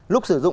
lúc sử dụng